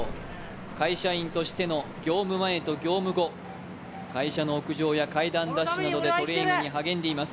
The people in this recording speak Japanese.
会社員としての業務前と業務後、会社の屋上や階段ダッシュなどでトレーニングに励んでいます。